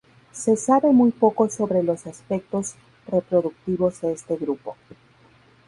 Se sabe muy poco sobre los aspectos reproductivos de este grupo.